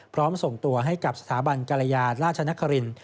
ส่งตัวให้กับสถาบันกรยาราชนคริน